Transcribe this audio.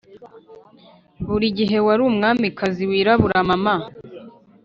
buri gihe wari umwamikazi wirabura, mama